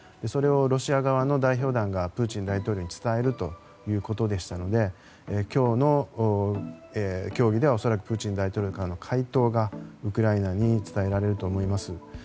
それをロシア側の代表団がプーチン大統領に伝えるということでしたので今日の協議では恐らくプーチン大統領からの回答がウクライナに伝えられると思います。